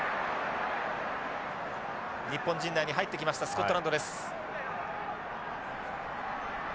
日本陣内に入ってきましたスコットランドです。